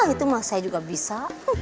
itu saya juga bisa